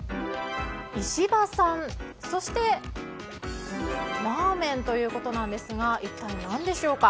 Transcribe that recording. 石破さんそして、ラーメンということなんですが一体何でしょうか。